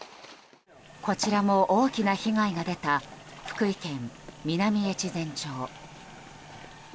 こちらも大きな被害が出た福井県南越前町。